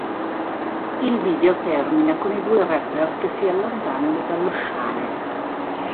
Il video termina con i due rapper che si allontanano dallo sciame.